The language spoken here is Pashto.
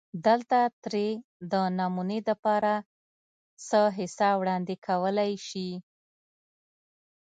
دلته ترې دنمونې دپاره څۀ حصه وړاندې کولی شي